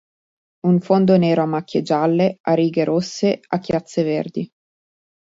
Un fondo nero a macchie gialle, a righe rosse, a chiazze verdi.